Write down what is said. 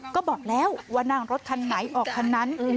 ก็บอกแล้วว่านั่งรถคันไหนออกคันนั้น